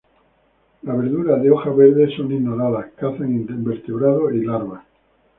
Las verduras de hoja verde son ignoradas, cazan invertebrados y larvas.